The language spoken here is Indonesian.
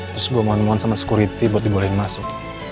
terus gue mohon mohon sama sekuriti buat dibolehin masuk